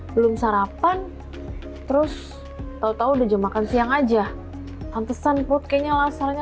belum sarapan terus tahu tahu udah jam makan siang aja hantesan putrinya lasarnya